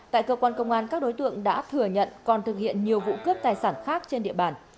tại cơ quan công an các đối tượng đã thừa nhận còn thực hiện nhiều vụ cướp tài sản khác trên địa bàn